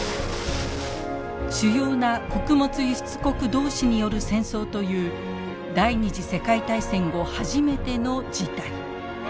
主要な穀物輸出国同士による戦争という第２次世界大戦後初めての事態。